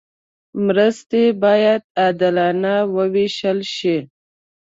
مرستې باید عادلانه وویشل شي.